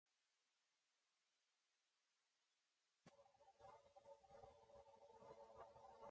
Services are operated by Abellio Greater Anglia.